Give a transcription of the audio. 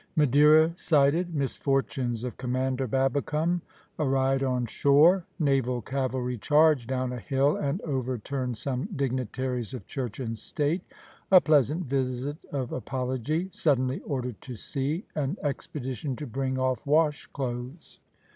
MADEIRA SIGHTED MISFORTUNES OF COMMANDER BABBICOME A RIDE ON SHORE NAVAL CAVALRY CHARGE DOWN A HILL AND OVERTURN SOME DIGNITARIES OF CHURCH AND STATE A PLEASANT VISIT OF APOLOGY SUDDENLY ORDERED TO SEA AN EXPEDITION TO BRING OFF "WASH CLOTHES."